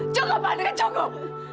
cukup andre cukup